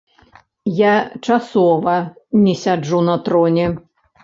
Я часова не сяджу на троне.